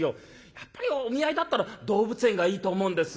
やっぱりお見合いだったら動物園がいいと思うんです。